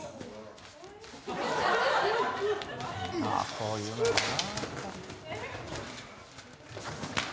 こういうのはな。